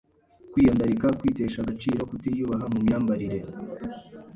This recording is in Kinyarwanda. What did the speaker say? kwiyandarika, kwitesha agaciro, kutiyubaha mu myambarire,